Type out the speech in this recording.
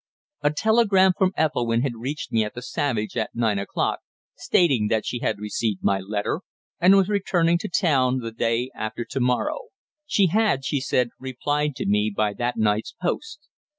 A telegram from Ethelwynn had reached me at the Savage at nine o'clock, stating that she had received my letter, and was returning to town the day after to morrow. She had, she said, replied to me by that night's post.